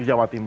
di jawa timur